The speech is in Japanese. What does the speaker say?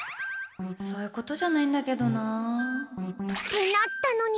そういうことじゃないんだけどな。ってなったのに。